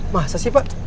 hah masa sih pak